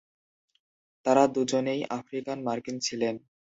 তারা দুজনেই আফ্রিকান মার্কিন ছিলেন।